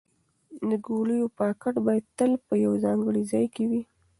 د ګولیو پاکټ باید تل په یو ځانګړي ځای کې وي.